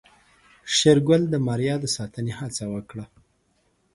شېرګل د ماريا د ساتنې هڅه وکړه.